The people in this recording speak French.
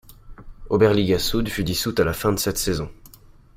Oberliga Süd fut dissoute à la fin de cette saison.